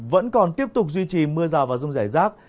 vẫn còn tiếp tục duy trì mưa rào và rông rải rác